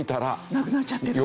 なくなっちゃってると。